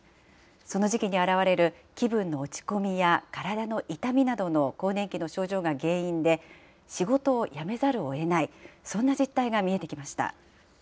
その時期に現れる気分の落ち込みや体の痛みなどの更年期の症状が原因で、仕事を辞めざるをえない、そんな実態が見えてきました。